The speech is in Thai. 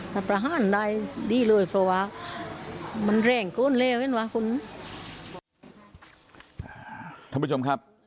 ท่านผู้ชมครับ